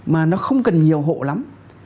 mà nó không cần nhiều hộ lắm